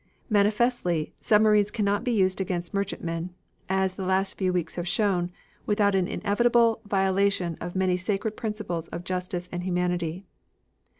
Manifestly, submarines cannot be used against merchantmen, as the last few weeks have shown, without an inevitable violation of many sacred principles of justice and humanity.